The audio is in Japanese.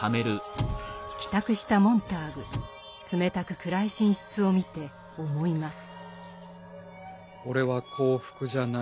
帰宅したモンターグ冷たく暗い寝室を見て思います。